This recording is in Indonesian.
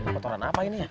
kotoran apa ini ya